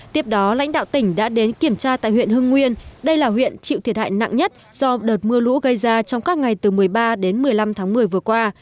tiếp đó lãnh đạo tỉnh đã đến kiểm tra tại huyện hưng nguyên đây là huyện chịu thiệt hại nặng nhất do đợt mưa lũ gây ra trong các ngày từ một mươi ba đến một mươi năm tháng một mươi vừa qua